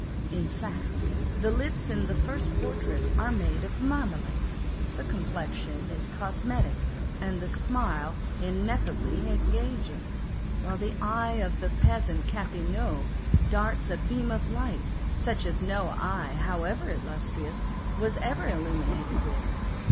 In fact, the lips in the first portrait are made of marmalade, the complexion is cos metic, and the smile ineffably engaging; while the eye of the peasant Cathelineau darts a beam of light, such as no eye, however illustrious, was ever illumined with.